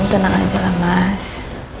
kamu tenang aja lah mas